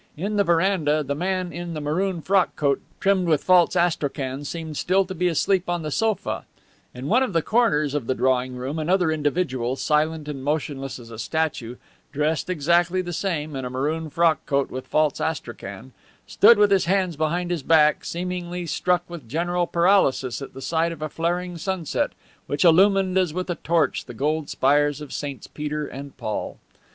In the veranda the man in the maroon frock coat trimmed with false astrakhan seemed still to be asleep on the sofa; in one of the corners of the drawing room another individual, silent and motionless as a statue, dressed exactly the same, in a maroon frock coat with false astrakhan, stood with his hands behind his back seemingly struck with general paralysis at the sight of a flaring sunset which illumined as with a torch the golden spires of Saints Peter and Paul.